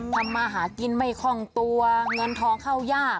ทำมาหากินไม่คล่องตัวเงินทองเข้ายาก